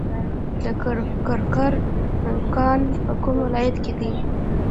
د کرکر کان په کوم ولایت کې دی؟